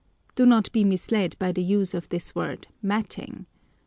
Do not be misled by the use of this word matting.